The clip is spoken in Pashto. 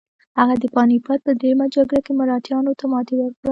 هغه د پاني پت په دریمه جګړه کې مراتیانو ته ماتې ورکړه.